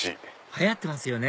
流行ってますよね